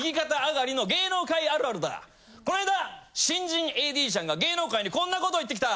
こないだ新人ＡＤちゃんが芸能界にこんなことを言ってきた！